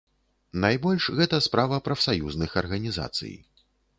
Найбольш гэта справа прафсаюзных арганізацый.